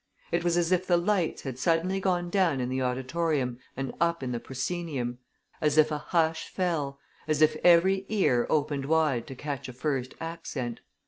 It was as if the lights had suddenly gone down in the auditorium and up in the proscenium, as if a hush fell, as if every ear opened wide to catch a first accent.